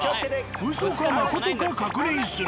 ウソかまことか確認する。